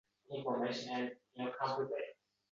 Xorazmning sayyohlik istiqboli